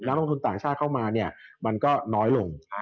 ลงทุนต่างชาติเข้ามาเนี่ยมันก็น้อยลง